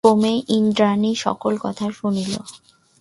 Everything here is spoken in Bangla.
ক্রমে ইন্দ্রাণী সকল কথা শুনিল।